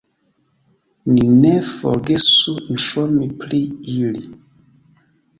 Ni ne forgesu informi pri ili!